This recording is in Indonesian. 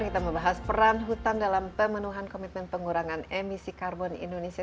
kita membahas peran hutan dalam pemenuhan komitmen pengurangan emisi karbon indonesia